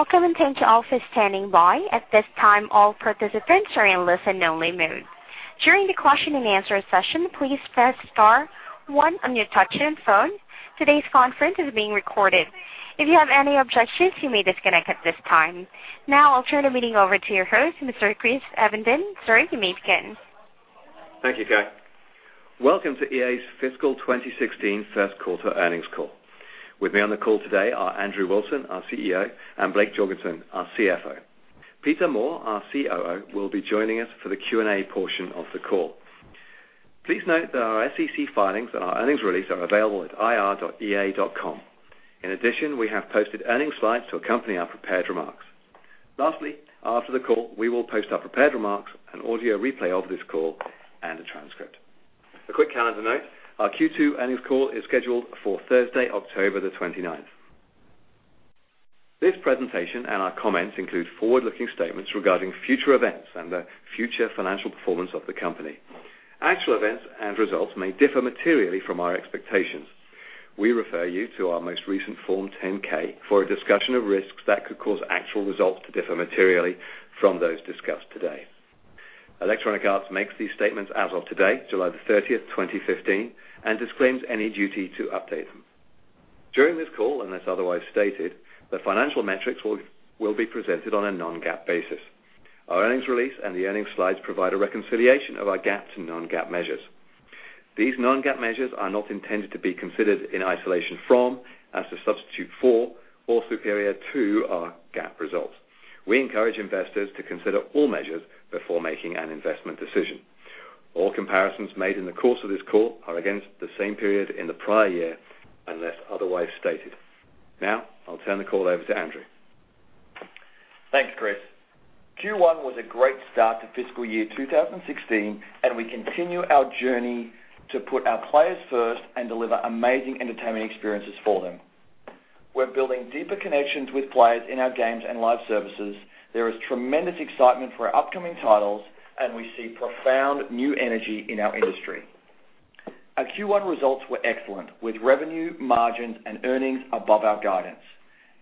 Welcome and thank you all for standing by. At this time, all participants are in listen-only mode. During the question-and-answer session, please press star one on your touchtone phone. Today's conference is being recorded. If you have any objections, you may disconnect at this time. I'll turn the meeting over to your host, Mr. Chris Evenden. Sir, you may begin. Thank you, Kay. Welcome to EA's fiscal 2016 first quarter earnings call. With me on the call today are Andrew Wilson, our CEO, and Blake Jorgensen, our CFO. Peter Moore, our COO, will be joining us for the Q&A portion of the call. Please note that our SEC filings and our earnings release are available at ir.ea.com. We have posted earnings slides to accompany our prepared remarks. After the call, we will post our prepared remarks, an audio replay of this call, and a transcript. A quick calendar note, our Q2 earnings call is scheduled for Thursday, October the 29th. This presentation and our comments include forward-looking statements regarding future events and the future financial performance of the company. Actual events and results may differ materially from our expectations. We refer you to our most recent Form 10-K for a discussion of risks that could cause actual results to differ materially from those discussed today. Electronic Arts makes these statements as of today, July the 30th, 2015, and disclaims any duty to update them. During this call, unless otherwise stated, the financial metrics will be presented on a non-GAAP basis. Our earnings release and the earnings slides provide a reconciliation of our GAAP to non-GAAP measures. These non-GAAP measures are not intended to be considered in isolation from, as a substitute for, or superior to our GAAP results. We encourage investors to consider all measures before making an investment decision. All comparisons made in the course of this call are against the same period in the prior year, unless otherwise stated. I'll turn the call over to Andrew. Thanks, Chris. Q1 was a great start to fiscal year 2016, and we continue our journey to put our players first and deliver amazing entertainment experiences for them. We're building deeper connections with players in our games and live services. There is tremendous excitement for our upcoming titles, and we see profound new energy in our industry. Our Q1 results were excellent, with revenue, margins, and earnings above our guidance.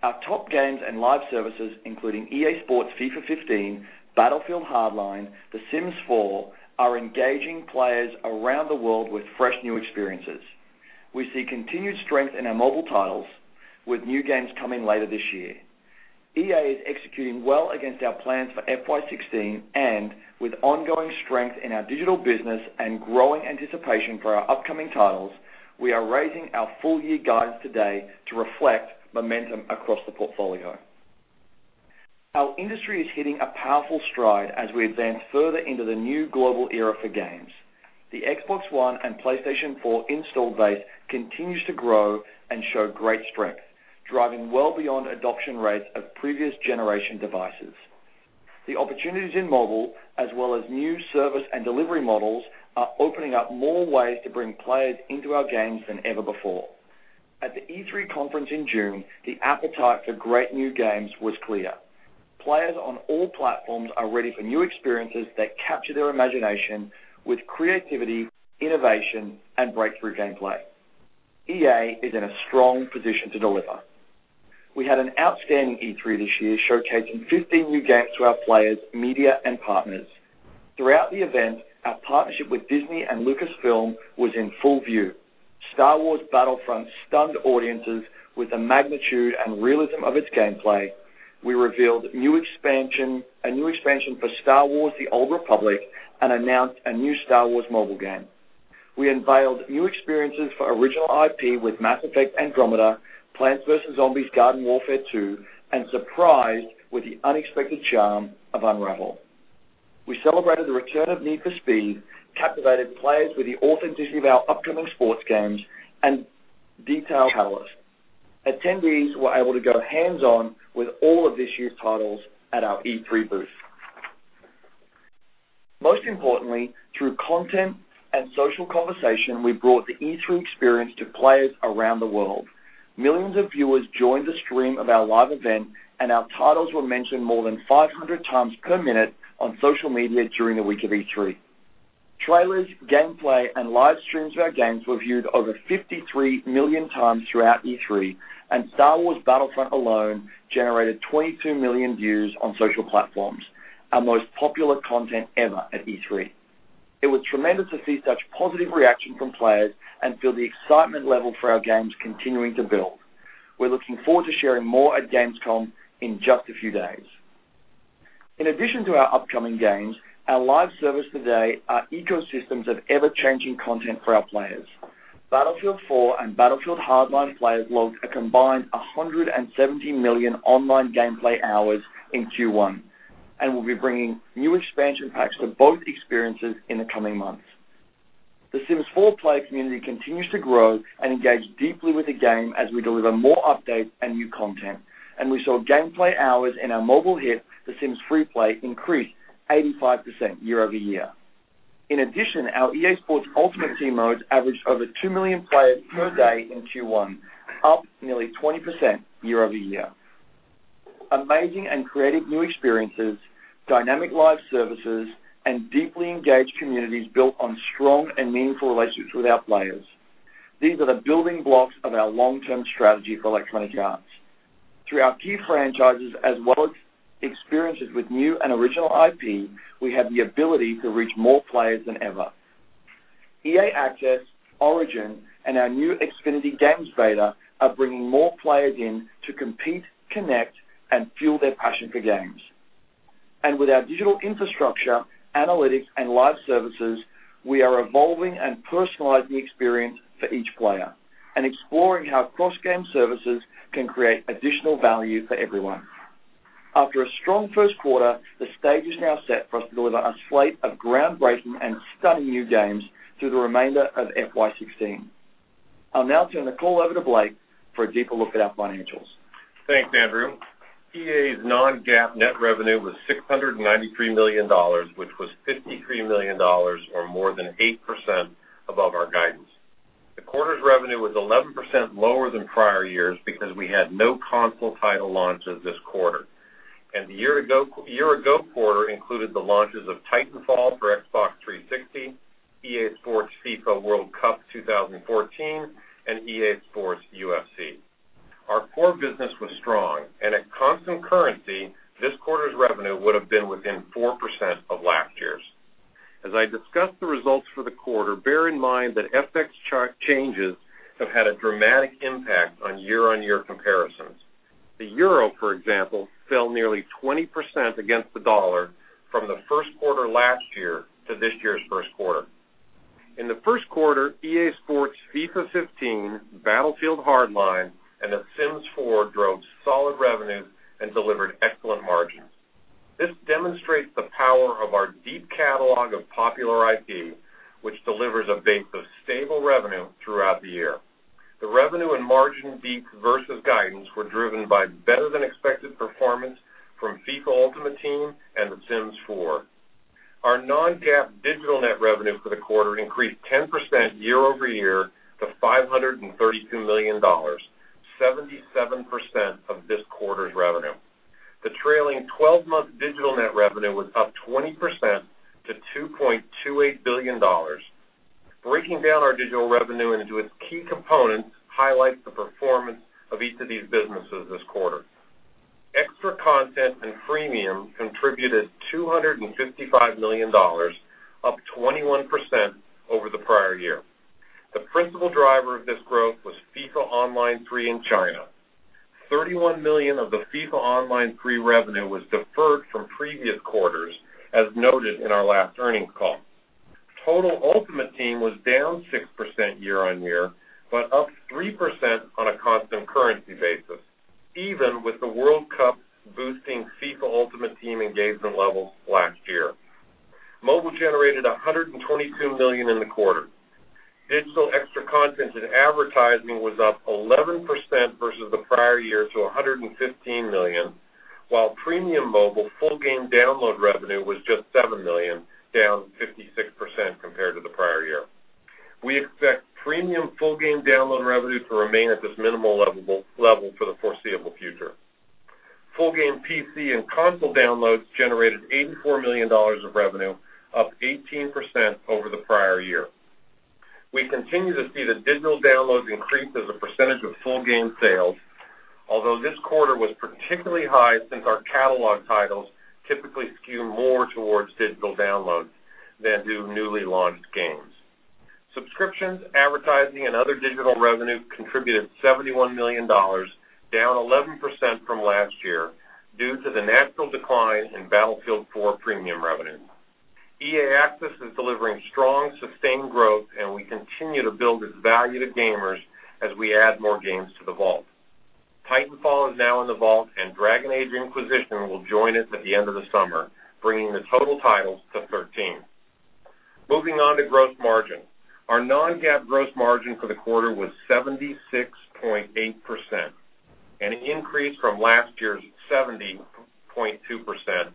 Our top games and live services, including EA Sports FIFA 15, Battlefield Hardline, The Sims 4, are engaging players around the world with fresh new experiences. We see continued strength in our mobile titles, with new games coming later this year. EA is executing well against our plans for FY 2016 and with ongoing strength in our digital business and growing anticipation for our upcoming titles, we are raising our full-year guidance today to reflect momentum across the portfolio. Our industry is hitting a powerful stride as we advance further into the new global era for games. The Xbox One and PlayStation 4 install base continues to grow and show great strength, driving well beyond adoption rates of previous generation devices. The opportunities in mobile, as well as new service and delivery models, are opening up more ways to bring players into our games than ever before. At the E3 conference in June, the appetite for great new games was clear. Players on all platforms are ready for new experiences that capture their imagination with creativity, innovation, and breakthrough gameplay. EA is in a strong position to deliver. We had an outstanding E3 this year, showcasing 15 new games to our players, media, and partners. Throughout the event, our partnership with Disney and Lucasfilm was in full view. Star Wars Battlefront stunned audiences with the magnitude and realism of its gameplay. We revealed a new expansion for Star Wars: The Old Republic and announced a new Star Wars mobile game. We unveiled new experiences for original IP with Mass Effect: Andromeda, Plants vs. Zombies: Garden Warfare 2, and surprised with the unexpected charm of Unravel. We celebrated the return of Need for Speed, captivated players with the authenticity of our upcoming sports games, and detailed calendars. Attendees were able to go hands-on with all of this year's titles at our E3 booth. Most importantly, through content and social conversation, we brought the E3 experience to players around the world. Millions of viewers joined the stream of our live event, and our titles were mentioned more than 500 times per minute on social media during the week of E3. Trailers, gameplay, and live streams of our games were viewed over 53 million times throughout E3, and Star Wars Battlefront alone generated 22 million views on social platforms, our most popular content ever at E3. It was tremendous to see such positive reaction from players and feel the excitement level for our games continuing to build. We're looking forward to sharing more at Gamescom in just a few days. In addition to our upcoming games, our live service today are ecosystems of ever-changing content for our players. Battlefield 4 and Battlefield Hardline players logged a combined 170 million online gameplay hours in Q1. We'll be bringing new expansion packs to both experiences in the coming months. The Sims 4 player community continues to grow and engage deeply with the game as we deliver more updates and new content, and we saw gameplay hours in our mobile hit, The Sims FreePlay, increase 85% year-over-year. In addition, our EA Sports Ultimate Team modes averaged over two million players per day in Q1, up nearly 20% year-over-year. Amazing and creative new experiences, dynamic live services, and deeply engaged communities built on strong and meaningful relationships with our players. These are the building blocks of our long-term strategy for Electronic Arts. Through our key franchises as well as experiences with new and original IP, we have the ability to reach more players than ever. EA Access, Origin, and our new Xfinity Games beta are bringing more players in to compete, connect, and fuel their passion for games. With our digital infrastructure, analytics, and live services, we are evolving and personalizing the experience for each player and exploring how cross-game services can create additional value for everyone. After a strong first quarter, the stage is now set for us to deliver a slate of groundbreaking and stunning new games through the remainder of FY 2016. I will now turn the call over to Blake for a deeper look at our financials. Thanks, Andrew. EA's non-GAAP net revenue was $693 million, which was $53 million or more than 8% above our guidance. The quarter's revenue was 11% lower than prior years because we had no console title launches this quarter, and the year-ago quarter included the launches of Titanfall for Xbox 360, EA Sports FIFA World Cup 2014, and EA Sports UFC. Our core business was strong, and at constant currency, this quarter's revenue would have been within 4% of last year's. As I discuss the results for the quarter, bear in mind that FX changes have had a dramatic impact on year-on-year comparisons. The euro, for example, fell nearly 20% against the dollar from the first quarter last year to this year's first quarter. In the first quarter, EA Sports FIFA 15, Battlefield Hardline, and The Sims 4 drove solid revenue and delivered excellent margins. This demonstrates the power of our deep catalog of popular IP, which delivers a base of stable revenue throughout the year. The revenue and margin beat versus guidance were driven by better-than-expected performance from FIFA Ultimate Team and The Sims 4. Our non-GAAP digital net revenue for the quarter increased 10% year-over-year to $532 million, 77% of this quarter's revenue. The trailing 12-month digital net revenue was up 20% to $2.28 billion. Breaking down our digital revenue into its key components highlights the performance of each of these businesses this quarter. Extra content and premium contributed $255 million, up 21% over the prior year. The principal driver of this growth was FIFA Online 3 in China. 31 million of the FIFA Online 3 revenue was deferred from previous quarters, as noted in our last earnings call. Total Ultimate Team was down 6% year-on-year, but up 3% on a constant currency basis, even with the World Cup boosting FIFA Ultimate Team engagement levels last year. Mobile generated $122 million in the quarter. Digital extra content and advertising was up 11% versus the prior year to $115 million, while premium mobile full game download revenue was just $7 million, down 56% compared to the prior year. We expect premium full game download revenue to remain at this minimal level for the foreseeable future. Full game PC and console downloads generated $84 million of revenue, up 18% over the prior year. We continue to see the digital downloads increase as a percentage of full game sales, although this quarter was particularly high since our catalog titles typically skew more towards digital downloads than do newly launched games. Subscriptions, advertising, and other digital revenue contributed $71 million, down 11% from last year due to the natural decline in Battlefield 4 premium revenue. EA Access is delivering strong, sustained growth, and we continue to build its value to gamers as we add more games to The Vault. Titanfall is now in The Vault, and Dragon Age: Inquisition will join it at the end of the summer, bringing the total titles to 13. Moving on to gross margin. Our non-GAAP gross margin for the quarter was 76.8%, an increase from last year's 70.2%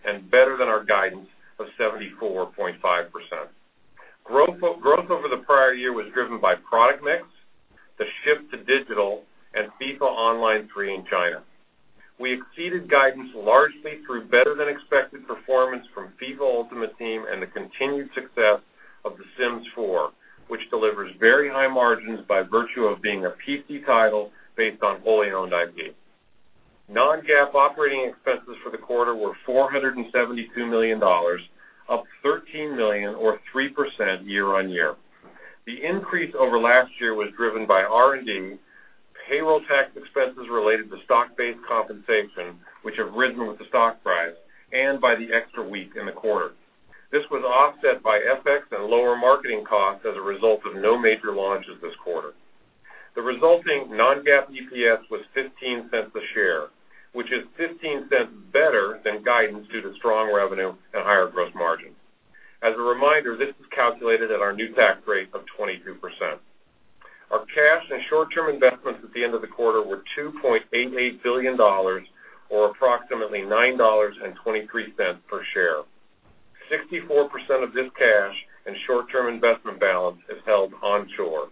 and better than our guidance of 74.5%. Growth over the prior year was driven by product mix, the shift to digital, and FIFA Online 3 in China. We exceeded guidance largely through better-than-expected performance from FIFA Ultimate Team and the continued success of The Sims 4, which delivers very high margins by virtue of being a PC title based on wholly owned IP. Non-GAAP operating expenses for the quarter were $472 million, up $13 million or 3% year-on-year. The increase over last year was driven by R&D, payroll tax expenses related to stock-based compensation, which have risen with the stock price, and by the extra week in the quarter. This was offset by FX and lower marketing costs as a result of no major launches this quarter. The resulting non-GAAP EPS was $0.15 a share, which is $0.15 better than guidance due to strong revenue and higher gross margin. As a reminder, this is calculated at our new tax rate of 22%. Our cash and short-term investments at the end of the quarter were $2.88 billion, or approximately $9.23 per share. 64% of this cash and short-term investment balance is held onshore.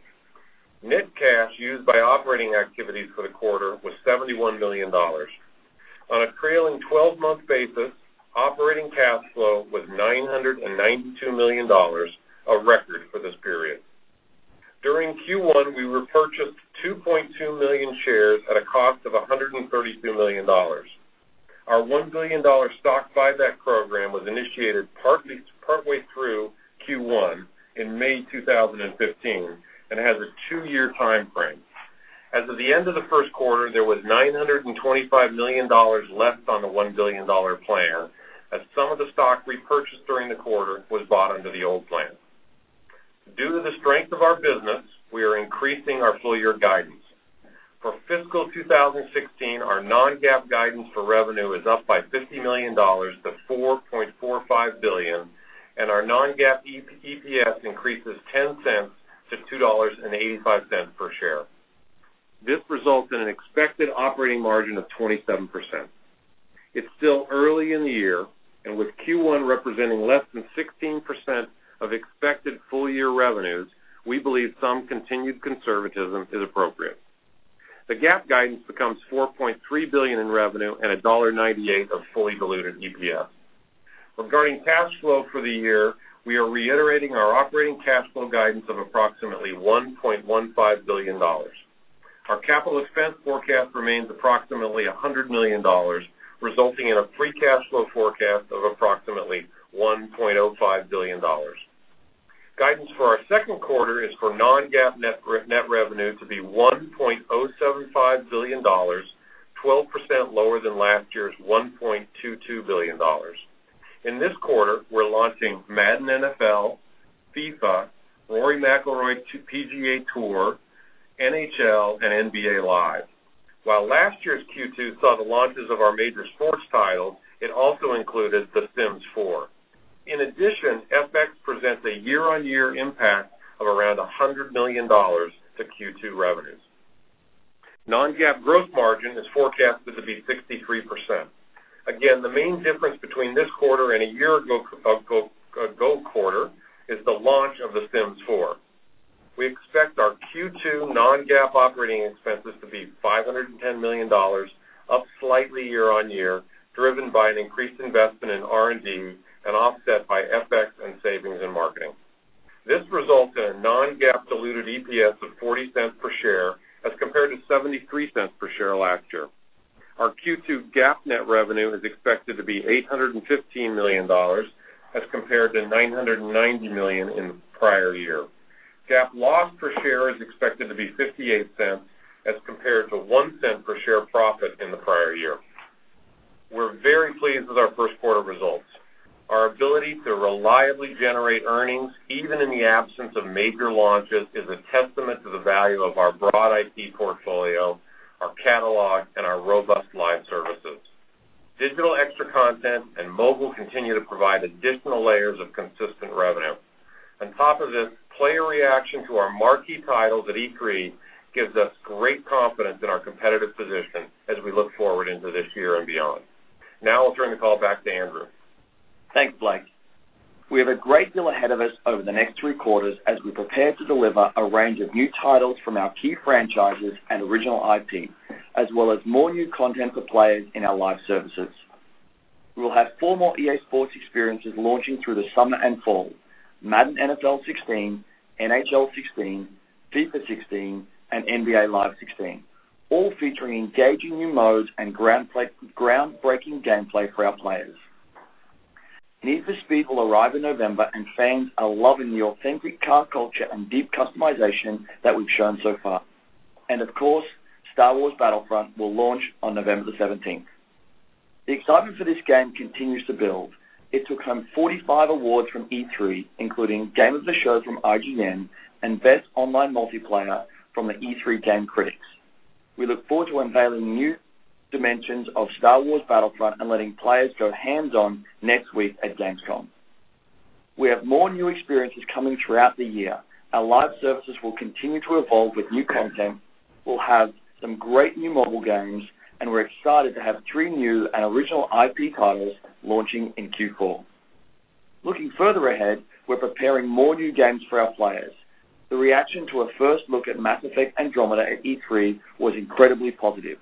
Net cash used by operating activities for the quarter was $71 million. On a trailing 12-month basis, operating cash flow was $992 million, a record for this period. During Q1, we repurchased 2.2 million shares at a cost of $132 million. Our $1 billion stock buyback program was initiated partway through Q1 in May 2015 and has a two-year timeframe. As of the end of the first quarter, there was $925 million left on the $1 billion plan, as some of the stock repurchased during the quarter was bought under the old plan. Due to the strength of our business, we are increasing our full-year guidance. For fiscal 2016, our non-GAAP guidance for revenue is up by $50 million to $4.45 billion. Our non-GAAP EPS increases $0.10 to $2.85 per share. This results in an expected operating margin of 27%. It's still early in the year. With Q1 representing less than 16% of expected full-year revenues, we believe some continued conservatism is appropriate. The GAAP guidance becomes $4.3 billion in revenue and $1.98 of fully diluted EPS. Regarding cash flow for the year, we are reiterating our operating cash flow guidance of approximately $1.15 billion. Our capital expense forecast remains approximately $100 million, resulting in a free cash flow forecast of approximately $1.05 billion. Guidance for our second quarter is for non-GAAP net revenue to be $1.075 billion, 12% lower than last year's $1.22 billion. In this quarter, we're launching "Madden NFL," "FIFA," "Rory McIlroy PGA Tour," "NHL," and "NBA Live." While last year's Q2 saw the launches of our major sports titles, it also included "The Sims 4." In addition, FX presents a year-on-year impact of around $100 million to Q2 revenues. non-GAAP gross margin is forecasted to be 63%. Again, the main difference between this quarter and a year-ago quarter is the launch of "The Sims 4." We expect our Q2 non-GAAP operating expenses to be $510 million, up slightly year-on-year, driven by an increased investment in R&D and offset by FX and savings in marketing. This results in a non-GAAP diluted EPS of $0.40 per share as compared to $0.73 per share last year. Our Q2 GAAP net revenue is expected to be $815 million as compared to $990 million in the prior year. GAAP loss per share is expected to be $0.58 as compared to $0.01 per share profit in the prior year. We're very pleased with our first quarter results. Our ability to reliably generate earnings, even in the absence of major launches, is a testament to the value of our broad IP portfolio, our catalog, and our robust live services. Digital extra content and mobile continue to provide additional layers of consistent revenue. On top of this, player reaction to our marquee titles at E3 gives us great confidence in our competitive position as we look forward into this year and beyond. I'll turn the call back to Andrew. Thanks, Blake. We have a great deal ahead of us over the next three quarters as we prepare to deliver a range of new titles from our key franchises and original IP, as well as more new content for players in our live services. We will have four more EA Sports experiences launching through the summer and fall: "Madden NFL 16," "NHL 16," "FIFA 16," and "NBA Live 16," all featuring engaging new modes and groundbreaking gameplay for our players. "Need for Speed" will arrive in November, and fans are loving the authentic car culture and deep customization that we've shown so far. Of course, "Star Wars Battlefront" will launch on November the 17th. The excitement for this game continues to build. It took home 45 awards from E3, including Game of the Show from IGN and Best Online Multiplayer from the Game Critics Awards. We look forward to unveiling new dimensions of "Star Wars Battlefront" and letting players go hands-on next week at Gamescom. We have more new experiences coming throughout the year. Our live services will continue to evolve with new content. We'll have some great new mobile games, and we're excited to have three new and original IP titles launching in Q4. Looking further ahead, we're preparing more new games for our players. The reaction to our first look at "Mass Effect: Andromeda" at E3 was incredibly positive.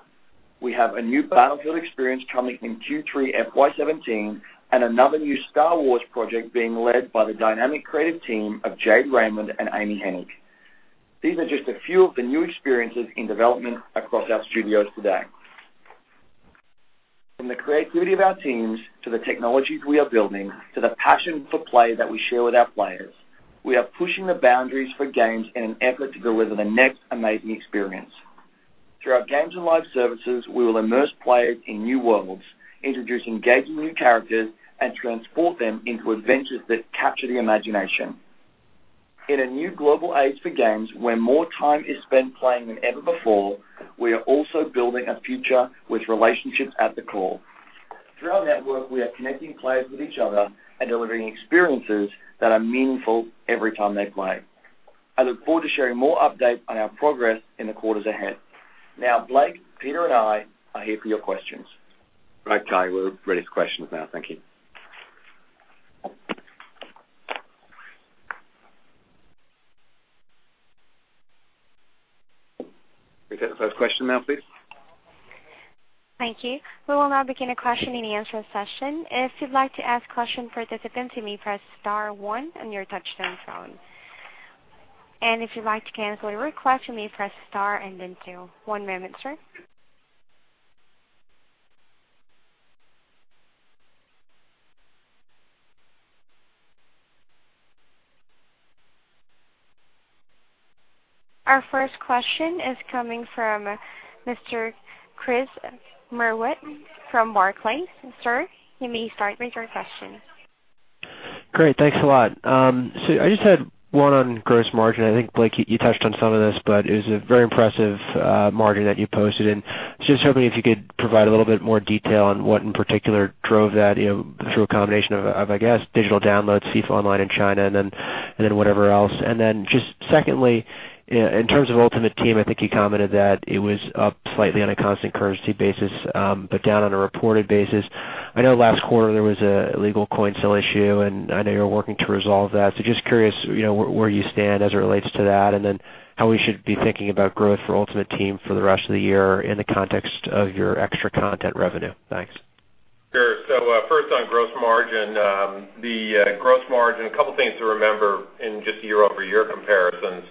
We have a new "Battlefield" experience coming in Q3 FY 2017 and another new "Star Wars" project being led by the dynamic creative team of Jade Raymond and Amy Hennig. These are just a few of the new experiences in development across our studios today. From the creativity of our teams, to the technologies we are building, to the passion for play that we share with our players, we are pushing the boundaries for games in an effort to deliver the next amazing experience. Through our games and live services, we will immerse players in new worlds, introduce engaging new characters, and transport them into adventures that capture the imagination. In a new global age for games, where more time is spent playing than ever before, we are also building a future with relationships at the core. Through our network, we are connecting players with each other and delivering experiences that are meaningful every time they play. I look forward to sharing more updates on our progress in the quarters ahead. Blake, Peter, and I are here for your questions. Right, Kat. We're ready for questions now. Thank you. We can take the first question now, please. Thank you. We will now begin a question-and-answer session. If you'd like to ask question, participants, you may press star one on your touch-tone phone. If you'd like to cancel your request, you may press star then two. One moment, sir. Our first question is coming from Mr. Chris Merwin from Barclays. Sir, you may start with your question. Great. Thanks a lot. I just had one on gross margin. I think, Blake, you touched on some of this, it was a very impressive margin that you posted. Just hoping if you could provide a little bit more detail on what in particular drove that through a combination of, I guess, digital downloads, FIFA Online in China, whatever else. Just secondly, in terms of Ultimate Team, I think you commented that it was up slightly on a constant currency basis, down on a reported basis. I know last quarter there was a illegal coin sale issue, I know you're working to resolve that. Just curious, where you stand as it relates to that, how we should be thinking about growth for Ultimate Team for the rest of the year in the context of your extra content revenue. Thanks. Sure. First on gross margin. The gross margin, a couple things to remember in just year-over-year comparisons.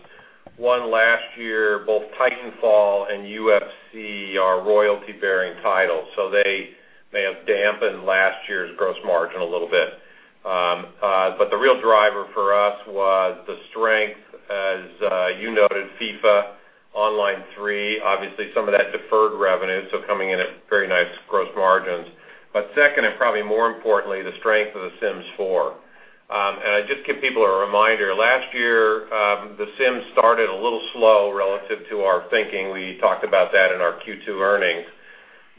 One last year, both Titanfall and UFC are royalty-bearing titles, so they have dampened last year's gross margin a little bit. The real driver for us was the strength, as you noted, FIFA Online 3. Obviously, some of that deferred revenue, so coming in at very nice gross margins. Second, and probably more importantly, the strength of The Sims 4. Just give people a reminder. Last year, The Sims started a little slow relative to our thinking. We talked about that in our Q2 earnings.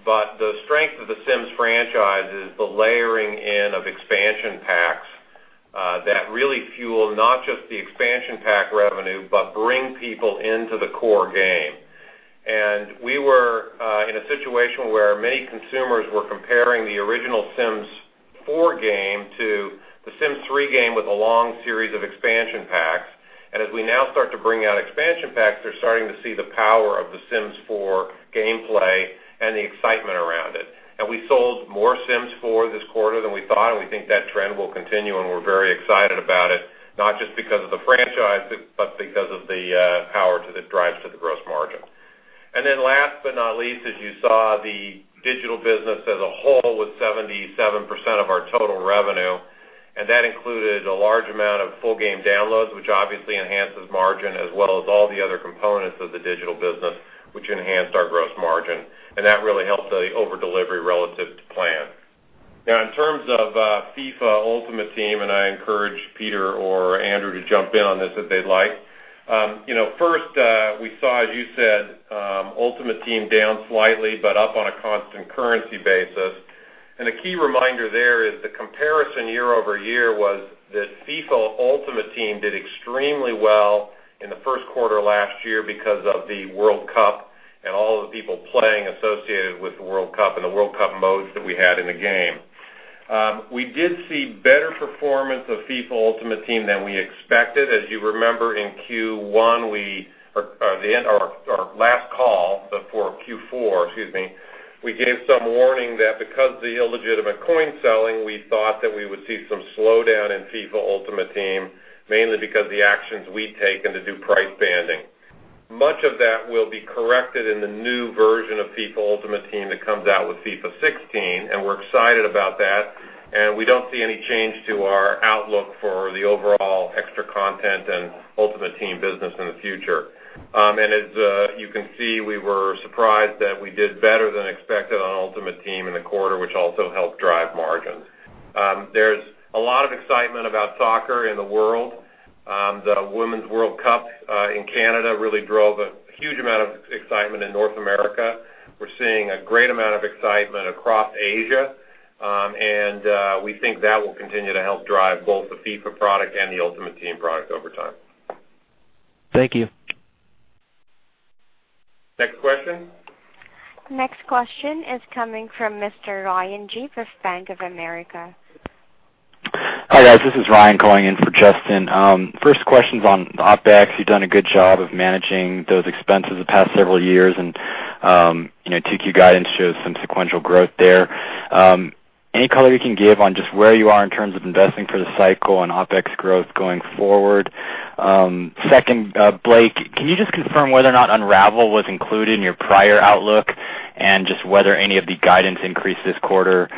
The strength of The Sims franchise is the layering in of expansion packs that really fuel not just the expansion pack revenue, but bring people into the core game. We were in a situation where many consumers were comparing the original Sims 4 game to The Sims 3 game with a long series of expansion packs. As we now start to bring out expansion packs, they're starting to see the power of The Sims 4 gameplay and the excitement around it. We sold more Sims 4 this quarter than we thought, and we think that trend will continue, and we're very excited about it, not just because of the franchise, but because of the power to the drives to the gross margin. Last but not least, as you saw the digital business as a whole with 77% of our total revenue, and that included a large amount of full game downloads, which obviously enhances margin as well as all the other components of the digital business, which enhanced our gross margin. That really helped the over-delivery relative to plan. Now, in terms of FIFA Ultimate Team, and I encourage Peter or Andrew to jump in on this if they'd like. First, we saw, as you said, Ultimate Team down slightly, but up on a constant currency basis. A key reminder there is the comparison year-over-year was that FIFA Ultimate Team did extremely well in the 1st quarter last year because of the World Cup and all of the people playing associated with the World Cup and the World Cup modes that we had in the game. We did see better performance of FIFA Ultimate Team than we expected. As you remember in Q1, our last call before Q4, excuse me, we gave some warning that because of the illegitimate coin selling, we thought that we would see some slowdown in FIFA Ultimate Team, mainly because the actions we'd taken to do price banding. Much of that will be corrected in the new version of FIFA Ultimate Team that comes out with FIFA 16, and we're excited about that, and we don't see any change to our outlook for the overall extra content and Ultimate Team business in the future. As you can see, we were surprised that we did better than expected on Ultimate Team in the quarter, which also helped drive margins. There's a lot of excitement about soccer in the world. The Women's World Cup in Canada really drove a huge amount of excitement in North America. We're seeing a great amount of excitement across Asia. We think that will continue to help drive both the FIFA product and the Ultimate Team product over time. Thank you. Next question. Next question is coming from Mr. Ryan Gee of Bank of America. Hi, guys. This is Ryan calling in for Justin. First question's on OpEx. You've done a good job of managing those expenses the past several years and Q2 guidance shows some sequential growth there. Any color you can give on just where you are in terms of investing for the cycle and OpEx growth going forward? Second, Blake, can you just confirm whether or not Unravel was included in your prior outlook and just whether any of the guidance increase this quarter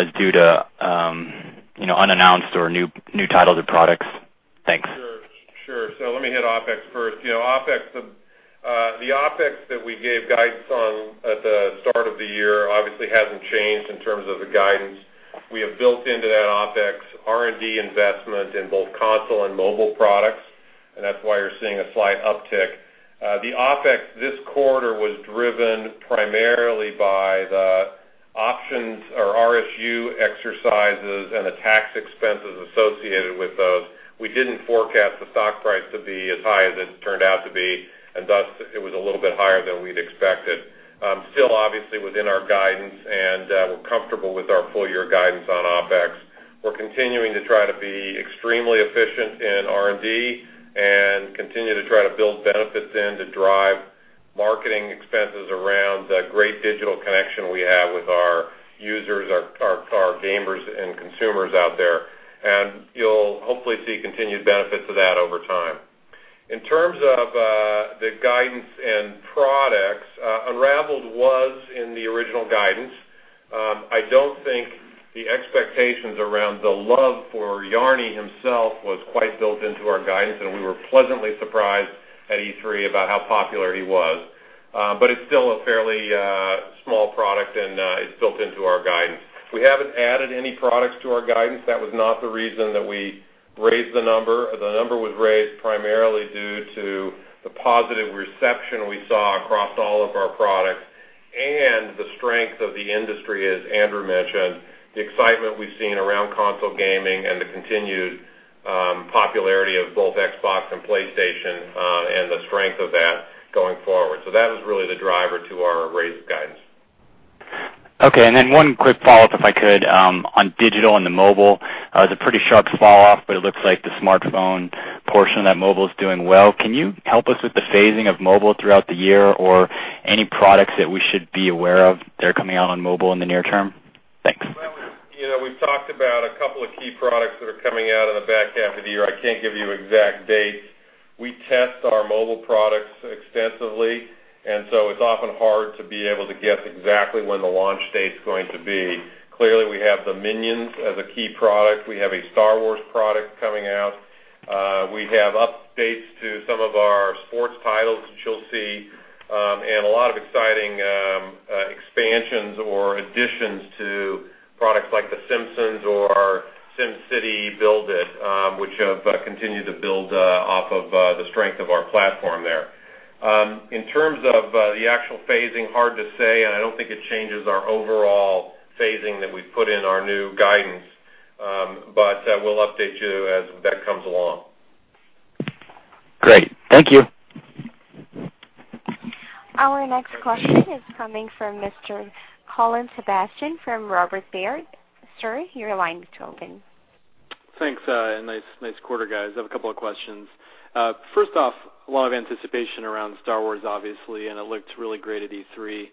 is due to unannounced or new titles or products? Thanks. Sure. Let me hit OpEx first. The OpEx that we gave guidance on at the start of the year obviously hasn't changed in terms of the guidance. We have built into that OpEx, R&D investment in both console and mobile products, and that's why you're seeing a slight uptick. The OpEx this quarter was driven primarily by the options or RSU exercises and the tax expenses associated with those. We didn't forecast the stock price to be as high as it turned out to be, and thus, it was a little bit higher than we'd expected. Still obviously within our guidance, and we're comfortable with our full-year guidance on OpEx. We're continuing to be extremely efficient in R&D and continue to try to build benefits in to drive marketing expenses around the great digital connection we have with our users, our gamers, and consumers out there. You'll hopefully see continued benefits of that over time. In terms of the guidance and products, Unravel was in the original guidance. I don't think the expectations around the love for Yarny himself was quite built into our guidance, and we were pleasantly surprised at E3 about how popular he was. It's still a fairly small product, and it's built into our guidance. We haven't added any products to our guidance. That was not the reason that we raised the number. The number was raised primarily due to the positive reception we saw across all of our products and the strength of the industry, as Andrew mentioned, the excitement we've seen around console gaming and the continued popularity of both Xbox and PlayStation, and the strength of that going forward. That was really the driver to our raised guidance. Okay. One quick follow-up, if I could, on digital and the mobile. It's a pretty sharp fall off, it looks like the smartphone portion of that mobile is doing well. Can you help us with the phasing of mobile throughout the year or any products that we should be aware of that are coming out on mobile in the near term? Thanks. We've talked about two key products that are coming out in the back half of the year. I can't give you exact dates. We test our mobile products extensively, so it's often hard to be able to guess exactly when the launch date's going to be. Clearly, we have the Minions as a key product. We have a Star Wars product coming out. We have updates to some of our sports titles that you'll see, a lot of exciting expansions or additions to products like The Simpsons or SimCity BuildIt, which have continued to build off of the strength of our platform there. In terms of the actual phasing, hard to say, I don't think it changes our overall phasing that we've put in our new guidance. We'll update you as that comes along. Great. Thank you. Our next question is coming from Mr. Colin Sebastian from Robert W. Baird & Co. Sir, your line is open. Thanks, and nice quarter, guys. I have two questions. First off, a lot of anticipation around Star Wars, obviously, and it looked really great at E3.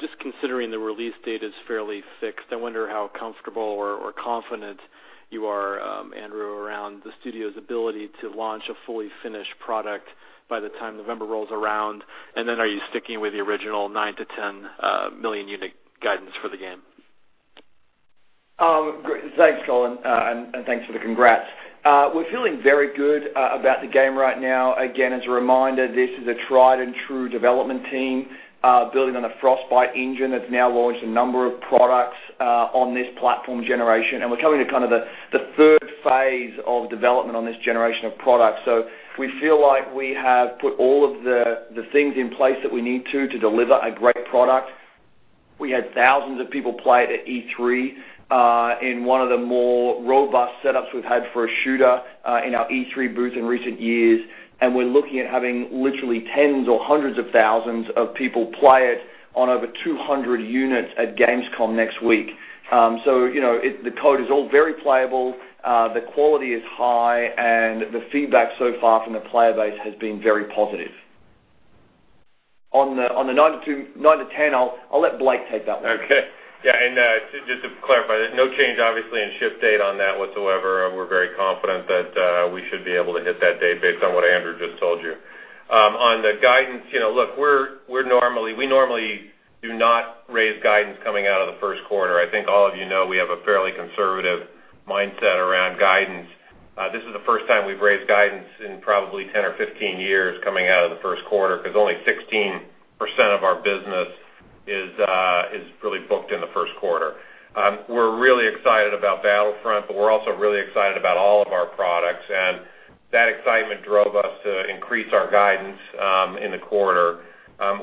Just considering the release date is fairly fixed, I wonder how comfortable or confident you are, Andrew, around the studio's ability to launch a fully finished product by the time November rolls around. Are you sticking with the original nine to 10 million unit guidance for the game? Great. Thanks, Colin, and thanks for the congrats. We're feeling very good about the game right now. Again, as a reminder, this is a tried and true development team building on a Frostbite engine that's now launched a number of products on this platform generation. We're coming to kind of the third phase of development on this generation of products. We feel like we have put all of the things in place that we need to deliver a great product. We had thousands of people play it at E3 in one of the more robust setups we've had for a shooter in our E3 booth in recent years. We're looking at having literally tens or hundreds of thousands of people play it on over 200 units at Gamescom next week. The code is all very playable. The quality is high. The feedback so far from the player base has been very positive. On the 9-10, I'll let Blake take that one. Okay. Yeah. Just to clarify, no change obviously in ship date on that whatsoever. We're very confident that we should be able to hit that date based on what Andrew just told you. On the guidance, look, we normally do not raise guidance coming out of the first quarter. I think all of you know we have a fairly conservative mindset around guidance. This is the first time we've raised guidance in probably 10 or 15 years coming out of the first quarter because only 16% of our business is really booked in the first quarter. We're really excited about Battlefront, we're also really excited about all of our products, and that excitement drove us to increase our guidance in the quarter.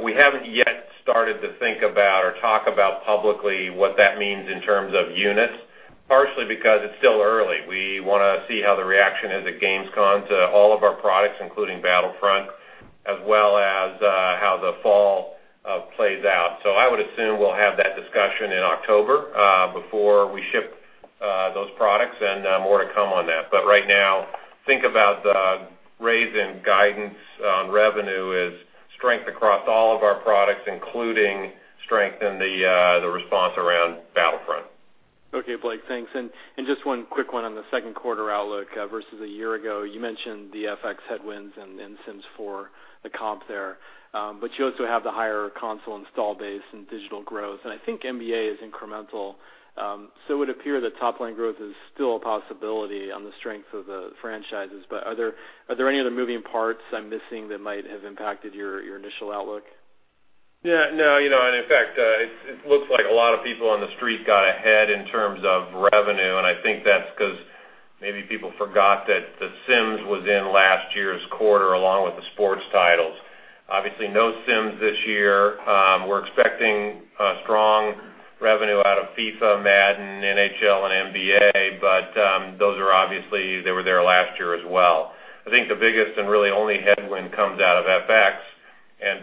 We haven't yet started to think about or talk about publicly what that means in terms of units, partially because it's still early. We want to see how the reaction is at Gamescom to all of our products, including Battlefront, as well as how the fall plays out. I would assume we'll have that discussion in October before we ship those products. More to come on that. Right now, think about the raise in guidance on revenue as strength across all of our products, including strength in the response around Battlefront. Okay, Blake. Thanks. Just one quick one on the second quarter outlook versus a year ago. You mentioned the FX headwinds and Sims 4, the comp there. You also have the higher console install base and digital growth, and I think NBA is incremental. It would appear that top line growth is still a possibility on the strength of the franchises. Are there any other moving parts I'm missing that might have impacted your initial outlook? Yeah. No. In fact, it looks like a lot of people on the street got ahead in terms of revenue, and I think that's because maybe people forgot that The Sims was in last year's quarter, along with the sports titles. Obviously, no The Sims this year. We're expecting strong revenue out of FIFA, Madden, NHL, and NBA, those are obviously they were there as well. I think the biggest and really only headwind comes out of FX.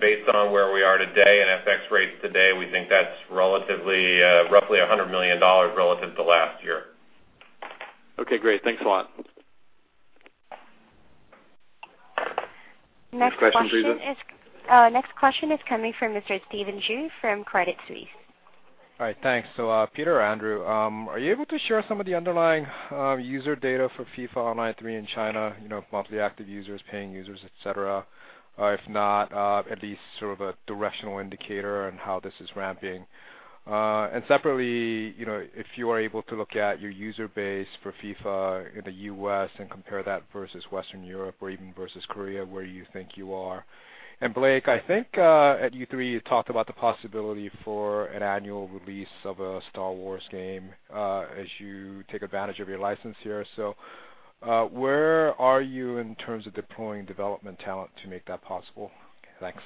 Based on where we are today and FX rates today, we think that's roughly $100 million relative to last year. Okay, great. Thanks a lot. Next question is- Next question, Susan next question is coming from Mr. Stephen Ju from Credit Suisse. All right, thanks. Peter or Andrew, are you able to share some of the underlying user data for "FIFA Online 3" in China, monthly active users, paying users, et cetera? If not, at least sort of a directional indicator on how this is ramping. Separately, if you are able to look at your user base for "FIFA" in the U.S. and compare that versus Western Europe or even versus Korea, where you think you are. Blake, I think, at E3, you talked about the possibility for an annual release of a "Star Wars" game as you take advantage of your license here. Where are you in terms of deploying development talent to make that possible? Thanks.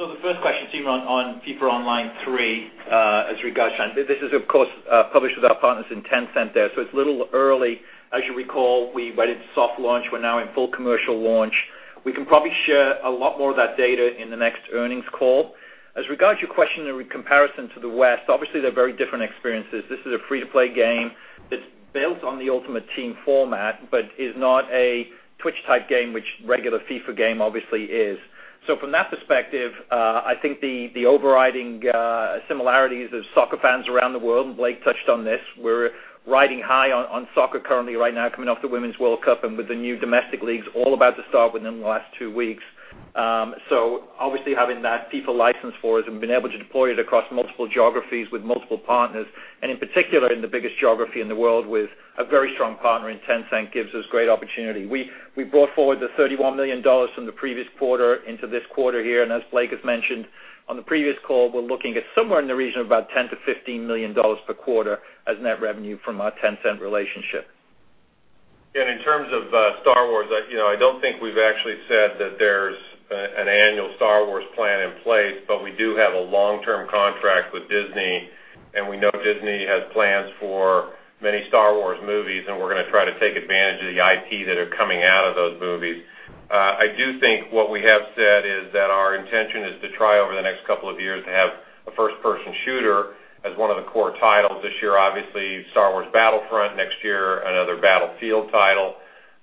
The first question, Stephen, on "FIFA Online 3," as regards to, this is of course, published with our partners in Tencent there, it's a little early. As you recall, we went into soft launch. We're now in full commercial launch. We can probably share a lot more of that data in the next earnings call. As regards to your question around comparison to the West, obviously they're very different experiences. This is a free-to-play game that's built on the Ultimate Team format but is not a Twitch-type game, which regular "FIFA" game obviously is. From that perspective, I think the overriding similarities as soccer fans around the world, and Blake touched on this, we're riding high on soccer currently right now coming off the Women's World Cup and with the new domestic leagues all about to start within the last two weeks. Having that FIFA license for us and being able to deploy it across multiple geographies with multiple partners, and in particular in the biggest geography in the world with a very strong partner in Tencent gives us great opportunity. We brought forward the $31 million from the previous quarter into this quarter here, and as Blake has mentioned on the previous call, we're looking at somewhere in the region of about $10 million-$15 million per quarter as net revenue from our Tencent relationship. In terms of Star Wars, I don't think we've actually said that there's an annual Star Wars plan in place. We do have a long-term contract with Disney, and we know Disney has plans for many Star Wars movies, and we're going to try to take advantage of the IP that are coming out of those movies. I do think what we have said is that our intention is to try over the next couple of years to have a first-person shooter as one of the core titles this year. Obviously, Star Wars Battlefront, next year, another Battlefield title.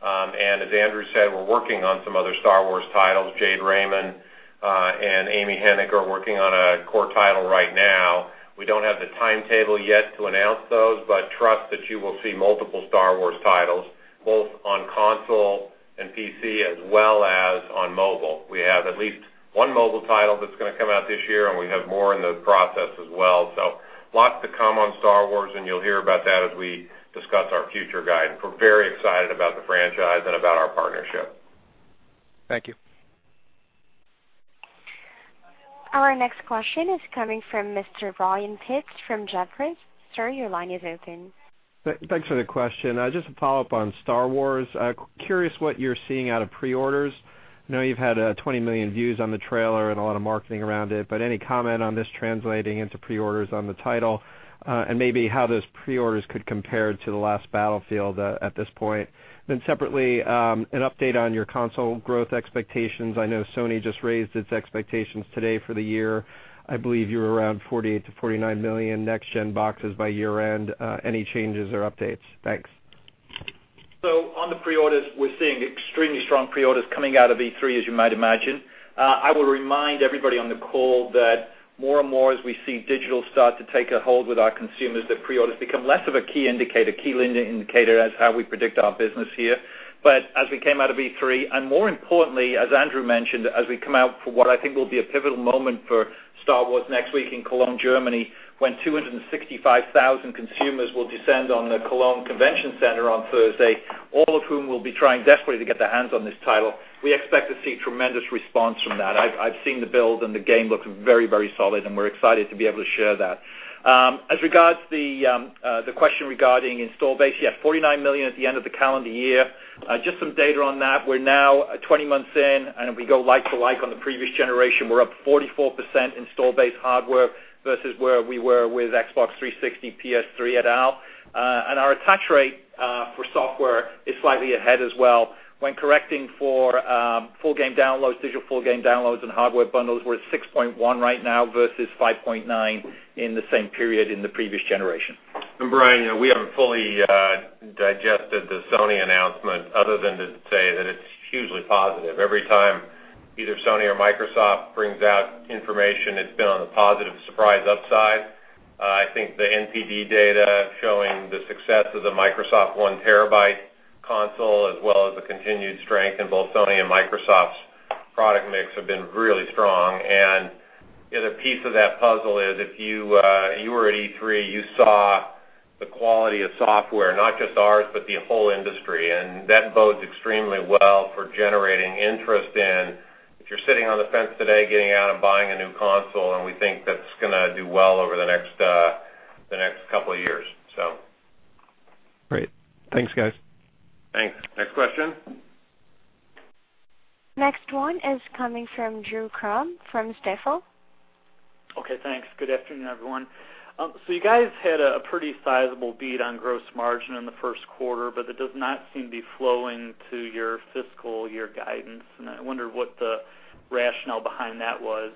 As Andrew said, we're working on some other Star Wars titles. Jade Raymond and Amy Hennig are working on a core title right now. We don't have the timetable yet to announce those, trust that you will see multiple Star Wars titles both on console and PC as well as on mobile. We have at least one mobile title that's going to come out this year, and we have more in the process as well. Lots to come on Star Wars, you'll hear about that as we discuss our future guide. We're very excited about the franchise and about our partnership. Thank you. Our next question is coming from Mr. Brian Pitz from Jefferies. Sir, your line is open. Thanks for the question. Just to follow up on Star Wars, curious what you're seeing out of pre-orders. I know you've had 20 million views on the trailer and a lot of marketing around it, any comment on this translating into pre-orders on the title? Maybe how those pre-orders could compare to the last Battlefield at this point. Separately, an update on your console growth expectations. I know Sony just raised its expectations today for the year. I believe you were around 48 to 49 million next-gen boxes by year-end. Any changes or updates? Thanks. On the pre-orders, we're seeing extremely strong pre-orders coming out of E3, as you might imagine. I will remind everybody on the call that more and more as we see digital start to take a hold with our consumers, that pre-orders become less of a key indicator as how we predict our business here. As we came out of E3, and more importantly, as Andrew mentioned, as we come out for what I think will be a pivotal moment for Star Wars next week in Cologne, Germany, when 265,000 consumers will descend on the Cologne Convention Center on Thursday. All of whom will be trying desperately to get their hands on this title. We expect to see tremendous response from that. I've seen the build, and the game looks very, very solid, and we're excited to be able to share that. As regards to the question regarding install base, yes, 49 million at the end of the calendar year. Just some data on that. We're now 20 months in, if we go like to like on the previous generation, we're up 44% install base hardware versus where we were with Xbox 360, PS3, et al. Our attach rate for software is slightly ahead as well. When correcting for full game downloads, digital full game downloads, and hardware bundles, we're at 6.1 right now versus 5.9 in the same period in the previous generation. Brian, we haven't fully digested the Sony announcement other than to say that it's hugely positive. Every time either Sony or Microsoft brings out information, it's been on the positive surprise upside. I think the NPD data showing the success of the Microsoft one terabyte console as well as the continued strength in both Sony and Microsoft's product mix have been really strong. The other piece of that puzzle is if you were at E3, you saw the quality of software, not just ours, but the whole industry. That bodes extremely well for generating interest in if you're sitting on the fence today, getting out and buying a new console, and we think that's going to do well over the next couple of years, so. Great. Thanks, guys. Thanks. Next question. Next one is coming from Drew Crum from Stifel. Okay, thanks. Good afternoon, everyone. You guys had a pretty sizable beat on gross margin in the first quarter, but that does not seem to be flowing to your fiscal year guidance. I wonder what the rationale behind that was.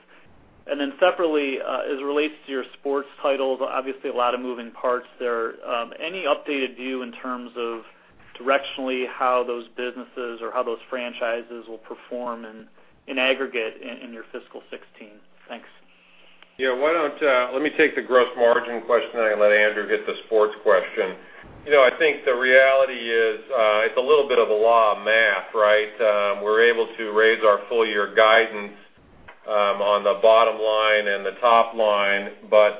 Separately, as it relates to your sports titles, obviously a lot of moving parts there. Any updated view in terms of directionally how those businesses or how those franchises will perform in aggregate in your fiscal 2016? Thanks. Yeah. Let me take the gross margin question. I let Andrew hit the sports question. I think the reality is it's a little bit of the law of math, right? We're able to raise our full-year guidance on the bottom line and the top line, but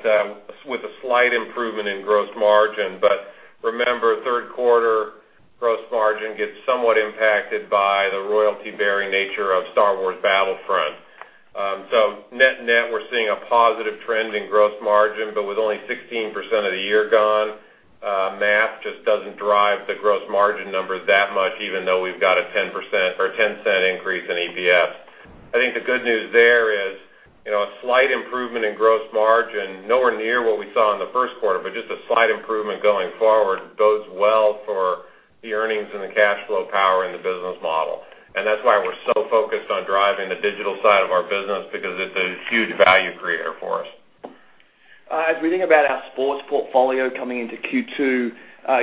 with a slight improvement in gross margin. Remember, third quarter gross margin gets somewhat impacted by the royalty-bearing nature of Star Wars Battlefront. Net, we're seeing a positive trend in gross margin, but with only 16% of the year gone, math just doesn't drive the gross margin numbers that much, even though we've got a 10% or $0.10 increase in EPS. I think the good news there is, a slight improvement in gross margin, nowhere near what we saw in the first quarter, but just a slight improvement going forward bodes well for the earnings and the cash flow power in the business model. That's why we're so focused on driving the digital side of our business because it's a huge value creator for us. As we think about our sports portfolio coming into Q2,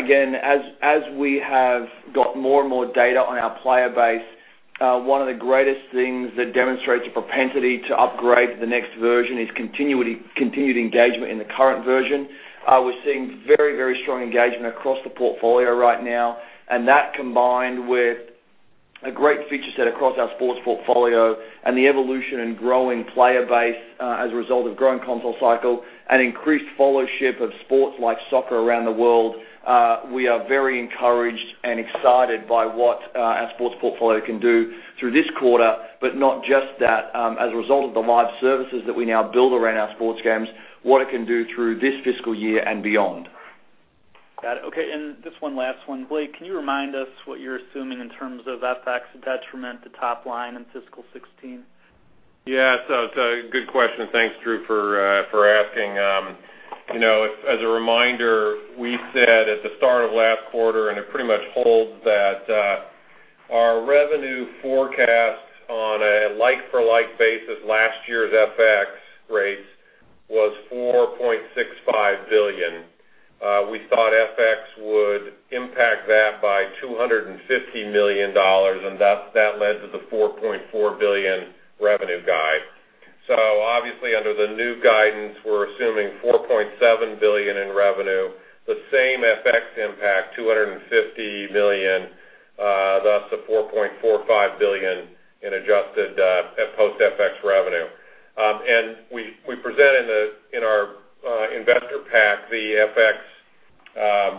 again, as we have got more and more data on our player base, one of the greatest things that demonstrates a propensity to upgrade to the next version is continued engagement in the current version. We're seeing very strong engagement across the portfolio right now, that combined with a great feature set across our sports portfolio and the evolution in growing player base as a result of growing console cycle and increased followership of sports like soccer around the world, we are very encouraged and excited by what our sports portfolio can do through this quarter, but not just that. As a result of the live services that we now build around our sports games, what it can do through this fiscal year and beyond. Got it. Okay, just one last one. Blake, can you remind us what you're assuming in terms of FX detriment to top line in FY 2016? Yeah. It's a good question. Thanks, Drew, for asking. As a reminder, we said at the start of last quarter, it pretty much holds that, our revenue forecast on a like-for-like basis, last year's FX rates was $4.65 billion. We thought FX would impact that by $250 million, that led to the $4.4 billion revenue guide. Obviously, under the new guidance, we're assuming $4.7 billion in revenue, the same FX impact, $250 million, thus the $4.45 billion in adjusted post FX revenue. We present in our investor pack the FX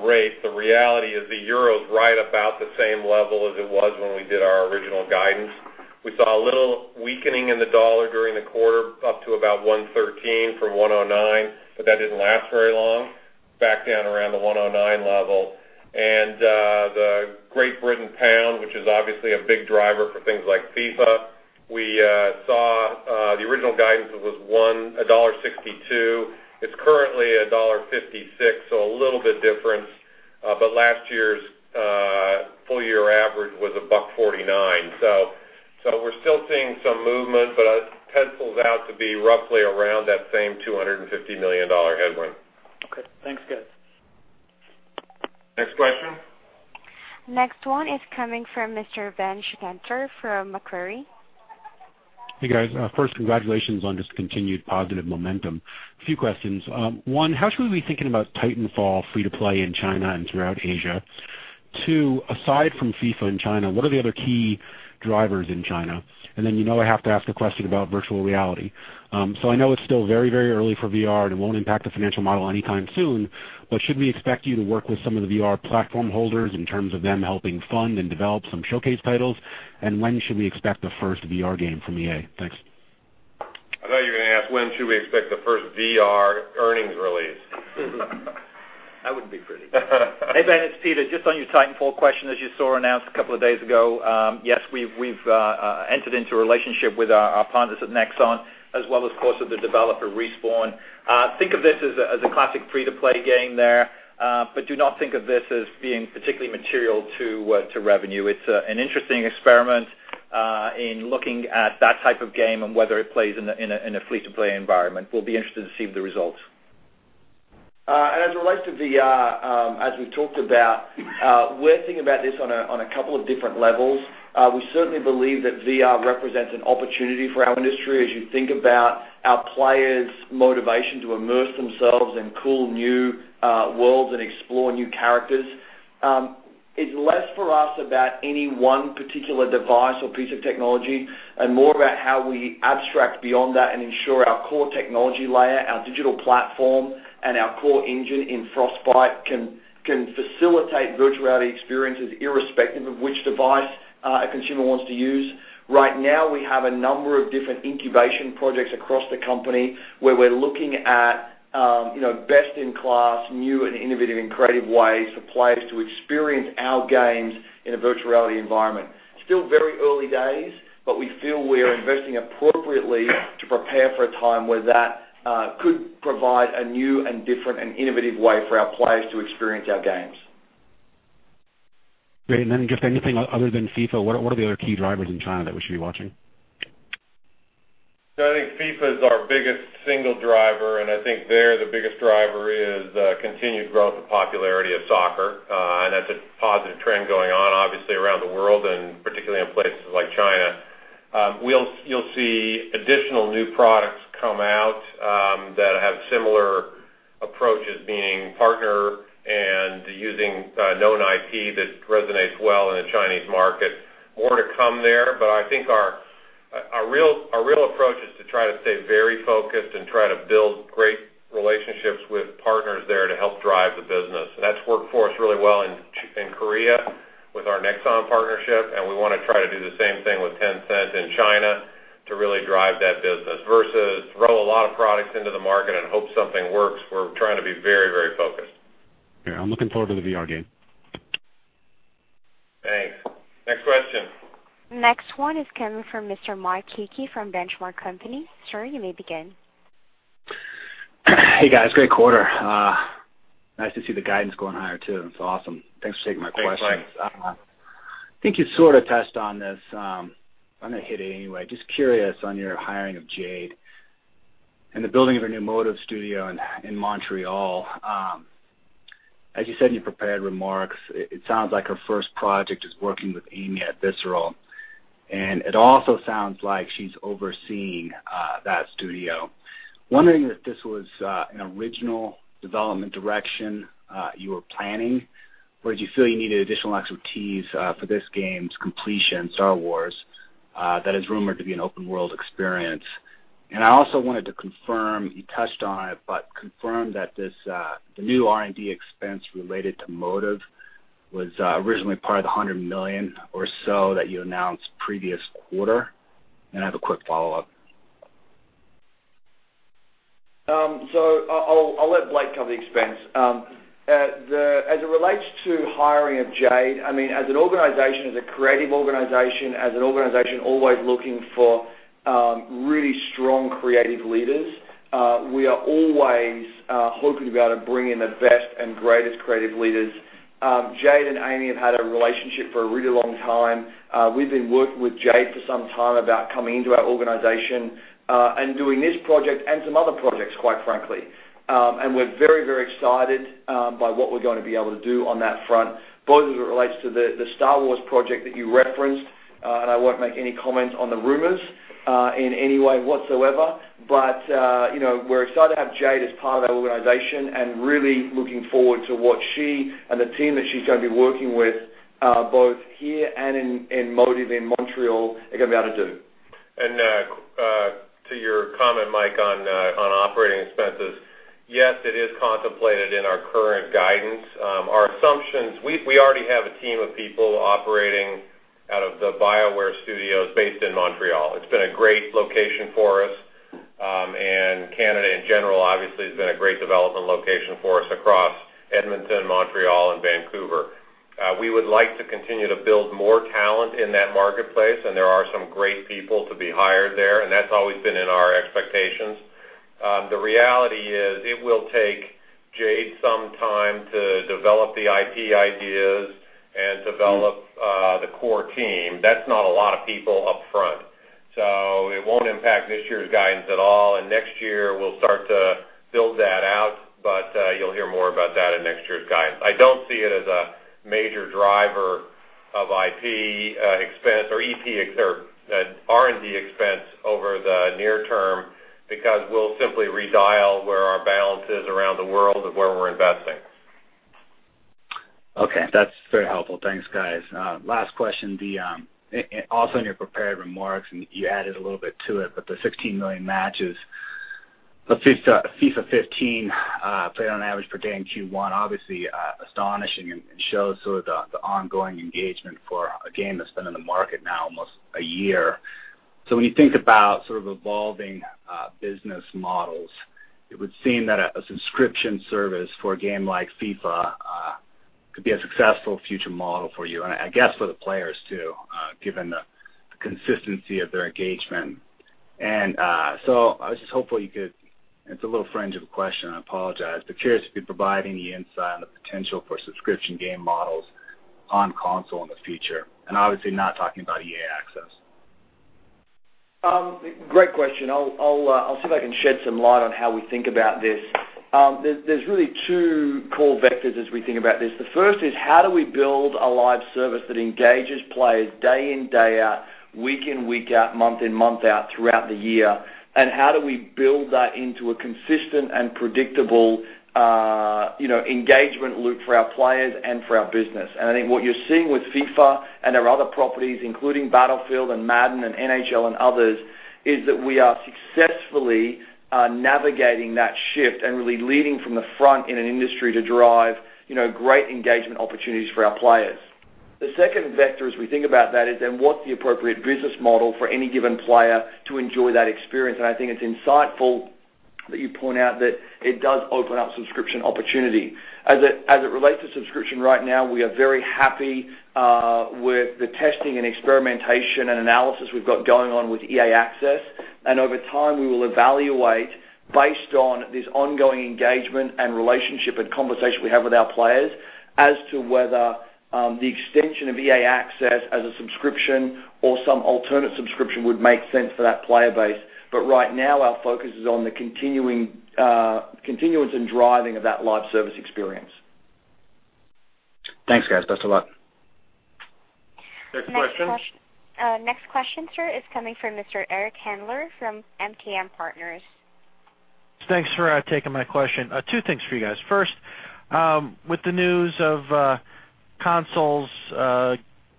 rate. The reality is the euro's right about the same level as it was when we did our original guidance. We saw a little weakening in the dollar during the quarter up to about 113 from 109, but that didn't last very long. Back down around the 109 level. The Great Britain pound, which is obviously a big driver for things like FIFA, we saw the original guidance was $1.62. It's currently $1.56, a little bit different. Last year's full-year average was $1.49. We're still seeing some movement, but it pencils out to be roughly around that same $250 million headwind. Okay. Thanks, guys. Next question. Next one is coming from Mr. Ben Schachter from Macquarie. Hey, guys. First, congratulations on this continued positive momentum. Few questions. One, how should we be thinking about Titanfall Free-to-Play in China and throughout Asia? Two, aside from FIFA in China, what are the other key drivers in China? Then, you know I have to ask a question about virtual reality. I know it's still very early for VR, and it won't impact the financial model anytime soon, but should we expect you to work with some of the VR platform holders in terms of them helping fund and develop some showcase titles? When should we expect the first VR game from EA? Thanks. I thought you were going to ask when should we expect the first VR earnings release. That wouldn't be pretty. Hey, Ben, it's Peter. Just on your Titanfall question, as you saw announced a couple of days ago, yes, we've entered into a relationship with our partners at Nexon as well as, of course, with the developer, Respawn. Think of this as a classic free-to-play game there, but do not think of this as being particularly material to revenue. It's an interesting experiment in looking at that type of game and whether it plays in a free-to-play environment. We'll be interested to see the results. As it relates to VR, as we've talked about, we're thinking about this on a couple of different levels. We certainly believe that VR represents an opportunity for our industry as you think about our players' motivation to immerse themselves in cool new worlds and explore new characters. It's less for us about any one particular device or piece of technology and more about how we abstract beyond that and ensure our core technology layer, our digital platform, and our core engine in Frostbite can facilitate virtual reality experiences irrespective of which device a consumer wants to use. Right now, we have a number of different incubation projects across the company where we're looking at best-in-class, new and innovative, and creative ways for players to experience our games in a virtual reality environment. Still very early days, but we feel we are investing appropriately to prepare for a time where that could provide a new and different and innovative way for our players to experience our games. Great. Then just anything other than FIFA, what are the other key drivers in China that we should be watching? I think FIFA is our biggest single driver, and I think there the biggest driver is continued growth and popularity of soccer. That's a positive trend going on, obviously, around the world, and particularly in places like China. You'll see additional new products come out that have similar approaches, being partner and using known IP that resonates well in the Chinese market. More to come there. I think our real approach is to try to stay very focused and try to build great relationships with partners there to help drive the business. That's worked for us really well in Korea with our Nexon partnership, and we want to try to do the same thing with Tencent in China to really drive that business, versus throw a lot of products into the market and hope something works. We're trying to be very focused. Yeah. I'm looking forward to the VR game. Thanks. Next question. Next one is coming from Mr. Mike Hickey from Benchmark Company. Sir, you may begin. Hey, guys. Great quarter. Nice to see the guidance going higher, too. It's awesome. Thanks for taking my questions. Thanks, Mike. I think you sort of touched on this. I'm going to hit it anyway. Just curious on your hiring of Jade and the building of her new Motive Studio in Montreal. As you said in your prepared remarks, it sounds like her first project is working with Amy at Visceral, and it also sounds like she's overseeing that studio. Wondering if this was an original development direction you were planning, or did you feel you needed additional expertise for this game's completion, Star Wars, that is rumored to be an open world experience. I also wanted to confirm, you touched on it, but confirm that the new R&D expense related to Motive was originally part of the $100 million or so that you announced previous quarter. I have a quick follow-up. I'll let Blake cover the expense. As it relates to hiring of Jade, as an organization, as a creative organization, as an organization always looking for really strong creative leaders, we are always hoping to be able to bring in the best and greatest creative leaders. Jade and Amy have had a relationship for a really long time. We've been working with Jade for some time about coming into our organization, and doing this project and some other projects, quite frankly. We're very excited by what we're going to be able to do on that front, both as it relates to the Star Wars project that you referenced, and I won't make any comments on the rumors in any way whatsoever. We're excited to have Jade as part of that organization and really looking forward to what she and the team that she's going to be working with, both here and in Motive in Montreal, are going to be able to do. To your comment, Mike, on operating expenses, yes, it is contemplated in our current guidance. Our assumptions, we already have a team of people operating out of BioWare Montreal based in Montreal. It's been a great location for us, and Canada in general, obviously, has been a great development location for us across Edmonton, Montreal, and Vancouver. We would like to continue to build more talent in that marketplace, and there are some great people to be hired there, and that's always been in our expectations. The reality is it will take Jade some time to develop the IP ideas and develop the core team. That's not a lot of people up front. It won't impact this year's guidance at all, and next year, we'll start to build that out, but you'll hear more about that in next year's guidance. I don't see it as a major driver of IP expense or R&D expense over the near term because we'll simply redial where our balance is around the world of where we're investing. Okay. That's very helpful. Thanks, guys. Last question. Also in your prepared remarks, and you added a little bit to it, but the 16 million matches of FIFA 15 played on average per day in Q1, obviously astonishing and shows sort of the ongoing engagement for a game that's been in the market now almost a year. When you think about sort of evolving business models, it would seem that a subscription service for a game like FIFA could be a successful future model for you and I guess for the players too, given the consistency of their engagement. I was just hopeful you could, it's a little fringe of a question, I apologize, but curious if you'd provide any insight on the potential for subscription game models on console in the future, and obviously not talking about EA Access. Great question. I'll see if I can shed some light on how we think about this. There's really two core vectors as we think about this. The first is how do we build a live service that engages players day in, day out, week in, week out, month in, month out throughout the year? How do we build that into a consistent and predictable engagement loop for our players and for our business? I think what you're seeing with FIFA and our other properties, including Battlefield and Madden and NHL and others, is that we are successfully navigating that shift and really leading from the front in an industry to drive great engagement opportunities for our players. The second vector as we think about that is then what's the appropriate business model for any given player to enjoy that experience? I think it's insightful that you point out that it does open up subscription opportunity. As it relates to subscription right now, we are very happy with the testing and experimentation and analysis we've got going on with EA Access. Over time, we will evaluate based on this ongoing engagement and relationship and conversation we have with our players as to whether the extension of EA Access as a subscription or some alternate subscription would make sense for that player base. Right now, our focus is on the continuance and driving of that live service experience. Thanks, guys. Best of luck. Next question. Next question, sir, is coming from Mr. Eric Handler from MKM Partners. Thanks for taking my question. Two things for you guys. First, with the news of consoles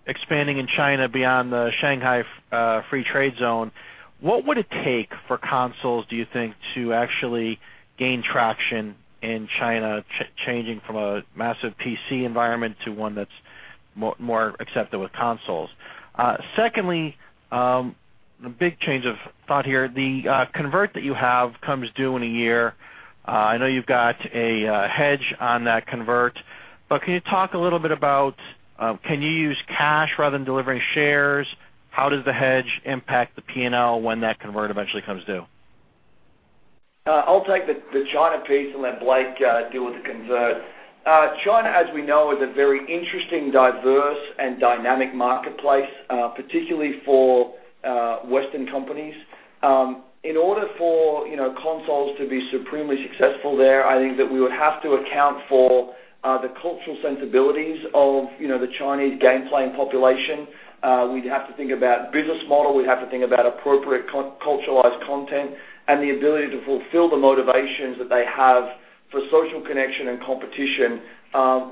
expanding in China beyond the Shanghai Free Trade Zone, what would it take for consoles, do you think, to actually gain traction in China, changing from a massive PC environment to one that's more accepted with consoles? Secondly, the big change of thought here. The convert that you have comes due in a year. I know you've got a hedge on that convert, but can you talk a little bit about, can you use cash rather than delivering shares? How does the hedge impact the P&L when that convert eventually comes due? I'll take the China piece and let Blake deal with the convert. China, as we know, is a very interesting, diverse, and dynamic marketplace, particularly for Western companies. In order for consoles to be supremely successful there, I think that we would have to account for the cultural sensibilities of the Chinese game-playing population. We'd have to think about business model. We'd have to think about appropriate culturalized content and the ability to fulfill the motivations that they have for social connection and competition,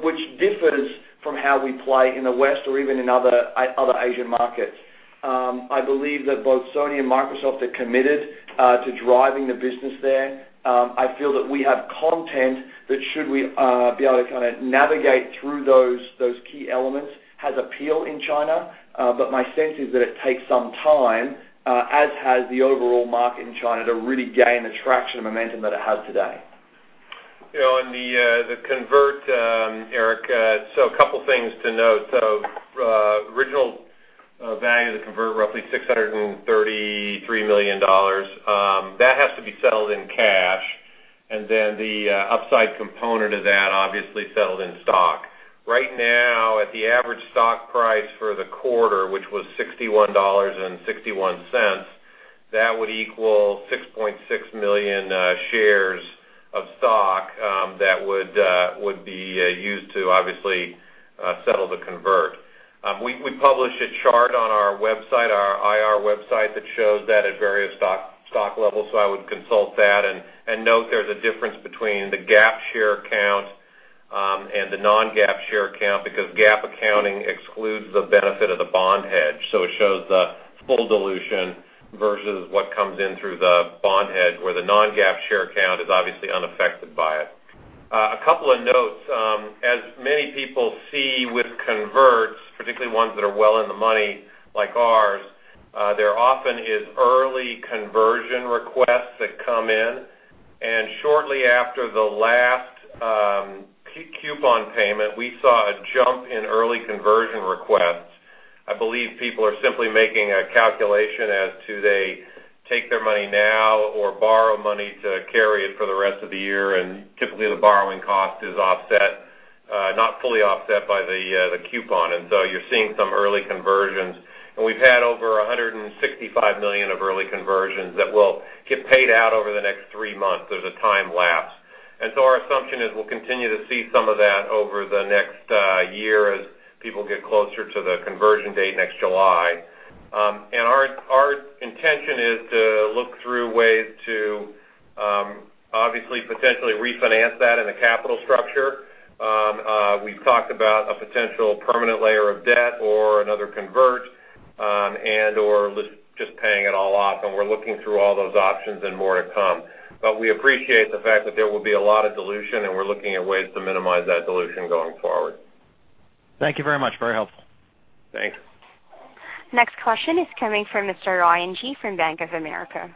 which differs from how we play in the West or even in other Asian markets. I believe that both Sony and Microsoft are committed to driving the business there. I feel that we have content that should we be able to kind of navigate through those key elements, has appeal in China. My sense is that it takes some time, as has the overall market in China, to really gain the traction and momentum that it has today. On the convert, Eric, a couple things to note. Original value of the convert, roughly $633 million. That has to be settled in cash. Then the upside component of that, obviously settled in stock. Right now, at the average stock price for the quarter, which was $61.61, that would equal 6.6 million shares of stock that would be used to obviously settle the convert. We published a chart on our IR website that shows that at various stock levels. I would consult that and note there's a difference between the GAAP share count and the non-GAAP share count because GAAP accounting excludes the benefit of the bond hedge. It shows the full dilution versus what comes in through the bond hedge where the non-GAAP share count is obviously unaffected by it. A couple of notes. As many people see with converts, particularly ones that are well in the money like ours, there often is early conversion requests that come in. Shortly after the last coupon payment, we saw a jump in early conversion requests. I believe people are simply making a calculation as to they take their money now or borrow money to carry it for the rest of the year, typically the borrowing cost is not fully offset by the coupon. You're seeing some early conversions. We've had over $165 million of early conversions that will get paid out over the next three months. There's a time lapse. Our assumption is we'll continue to see some of that over the next year as people get closer to the conversion date next July. Our intention is to look through ways to obviously potentially refinance that in the capital structure. We've talked about a potential permanent layer of debt or another convert, and/or just paying it all off, we're looking through all those options and more to come. We appreciate the fact that there will be a lot of dilution, we're looking at ways to minimize that dilution going forward. Thank you very much. Very helpful. Thanks. Next question is coming from Mr. Ryan Gee from Bank of America.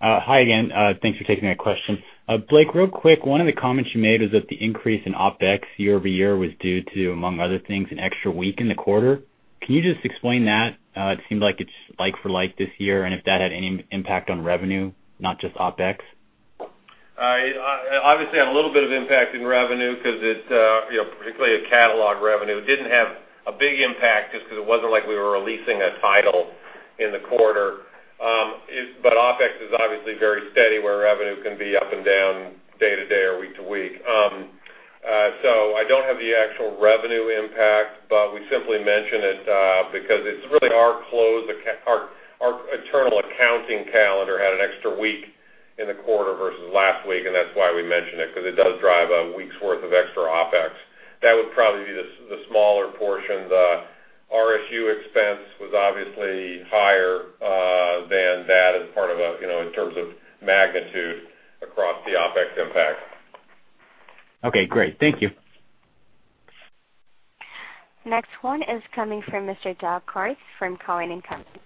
Hi again. Thanks for taking my question. Blake, real quick, one of the comments you made is that the increase in OpEx year-over-year was due to, among other things, an extra week in the quarter. Can you just explain that? It seemed like it's like for like this year. If that had any impact on revenue, not just OpEx. Had a little bit of impact in revenue because it, particularly at catalog revenue, didn't have a big impact just because it wasn't like we were releasing a title in the quarter. OpEx is obviously very steady where revenue can be up and down day to day or week to week. I don't have the actual revenue impact, but we simply mention it because it's really our close. Our internal accounting calendar had an extra week in the quarter versus last week, That's why we mention it, because it does drive a week's worth of extra OpEx. That would probably be the smaller portion. The RSU expense was obviously higher than that as part of in terms of magnitude across the OpEx impact. Okay, great. Thank you. Next one is coming from Mr. Doug Creutz from Cowen and Company.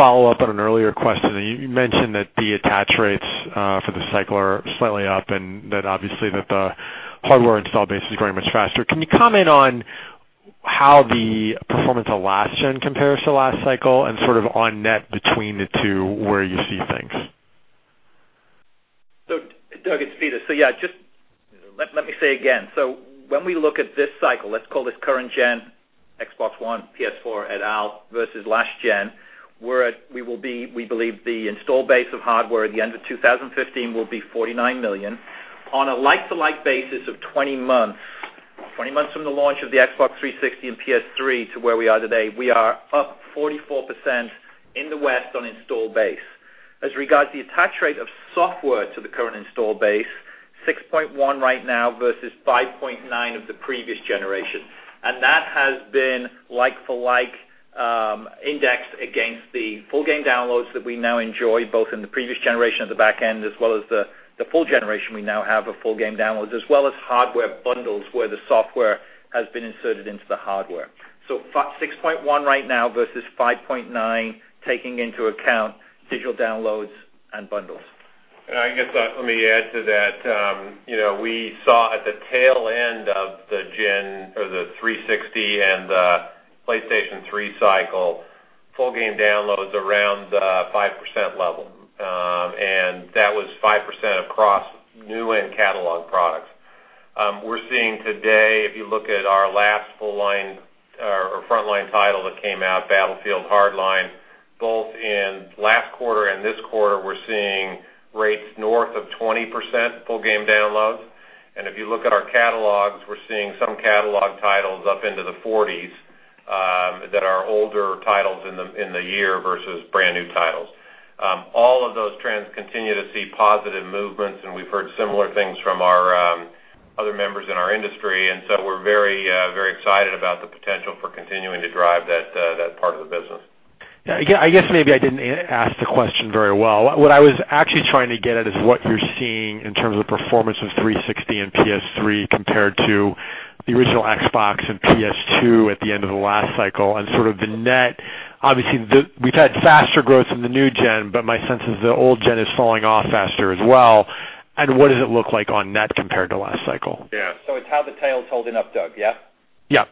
Follow up on an earlier question. You mentioned that the attach rates for the cycle are slightly up and that obviously that the hardware install base is growing much faster. Can you comment on how the performance of last gen compares to last cycle and sort of on net between the two, where you see things? Doug, it's Peter. Yeah, just let me say again. When we look at this cycle, let's call this current gen Xbox One, PS4, et al, versus last gen, we believe the install base of hardware at the end of 2015 will be 49 million. On a like-to-like basis of 20 months, 20 months from the launch of the Xbox 360 and PS3 to where we are today, we are up 44% in the West on install base. As regards the attach rate of software to the current install base, 6.1 right now versus 5.9 of the previous generation. That has been like-for-like index against the full game downloads that we now enjoy, both in the previous generation at the back end as well as the full generation we now have of full game downloads, as well as hardware bundles where the software has been inserted into the hardware. 6.1 right now versus 5.9, taking into account digital downloads and bundles. I guess, let me add to that. We saw at the tail end of the gen or the 360 and the PlayStation 3 cycle, full game downloads around the 5% level, and that was 5% across new and catalog products. We're seeing today, if you look at our last full line or frontline title that came out, Battlefield Hardline, both in last quarter and this quarter, we're seeing rates north of 20% full game downloads. If you look at our catalogs, we're seeing some catalog titles up into the 40s that are older titles in the year versus brand-new titles. All of those trends continue to see positive movements, and we've heard similar things from our other members in our industry, we're very excited about the potential for continuing to drive that part of the business. Yeah, I guess maybe I didn't ask the question very well. What I was actually trying to get at is what you're seeing in terms of performance of 360 and PS3 compared to the original Xbox and PS2 at the end of the last cycle and sort of the net. Obviously, we've had faster growth in the new gen, but my sense is the old gen is falling off faster as well. What does it look like on net compared to last cycle? Yeah. It's how the tail's holding up, Doug, yeah? Yeah.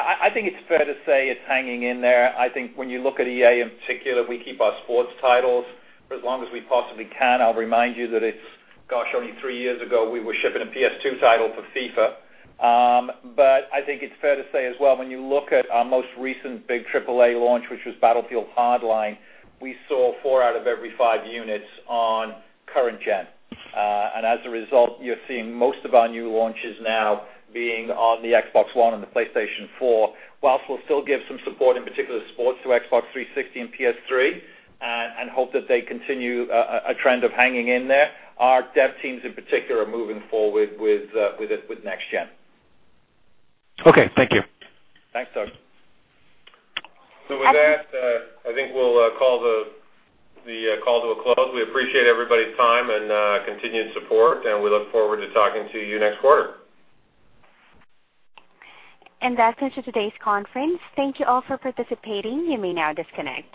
I think it's fair to say it's hanging in there. I think when you look at EA in particular, we keep our sports titles for as long as we possibly can. I'll remind you that it's, gosh, only three years ago, we were shipping a PS2 title for FIFA. I think it's fair to say as well, when you look at our most recent big AAA launch, which was Battlefield Hardline, we saw four out of every five units on current gen. As a result, you're seeing most of our new launches now being on the Xbox One and the PlayStation 4. Whilst we'll still give some support, in particular sports, to Xbox 360 and PS3 and hope that they continue a trend of hanging in there, our dev teams in particular are moving forward with next gen. Okay, thank you. Thanks, Doug. With that, I think we'll call the call to a close. We appreciate everybody's time and continued support, we look forward to talking to you next quarter. That's it for today's conference. Thank you all for participating. You may now disconnect.